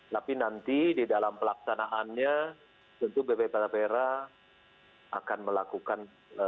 tapi nanti di dalam pelaksanaannya tentu bpplpra akan melakukan